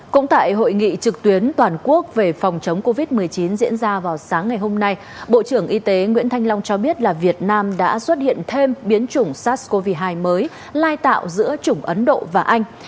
cũng tại hội nghị trực tuyến toàn quốc về phòng chống covid một mươi chín diễn ra vào sáng ngày hôm nay bộ trưởng y tế nguyễn thanh long cho biết là việt nam đã xuất hiện thêm biến chủng sars cov hai mới lai tạo giữa chủng ấn độ và anh